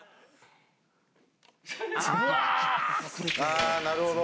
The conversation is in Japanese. ああーなるほど。